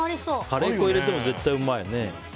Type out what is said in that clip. カレー粉入れても絶対うまいよね。